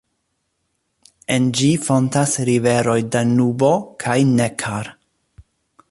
En ĝi fontas riveroj Danubo kaj Neckar.